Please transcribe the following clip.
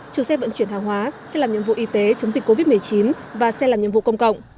trừ xe vận chuyển hàng hóa xe làm nhiệm vụ y tế chống dịch covid một mươi chín và xe làm nhiệm vụ công cộng